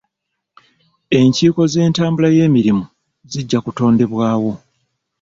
Enkiiko z'entambula y'emirimu zijja kutondebwawo.